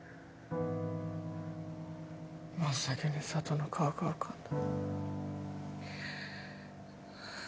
真っ先に佐都の顔が浮かんだ。